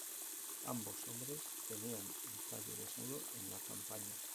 Ambos hombres tenían el talle desnudo en la campaña.